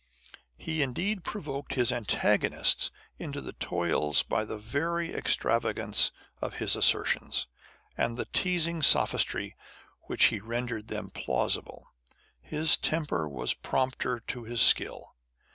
He indeed provoked his antagonists into the toils by the very extravaganco of his assertions, and the teasing sophistry On the Conversation of Authors. 53 by which he rendered them plausible. His temper was prompter to his skill.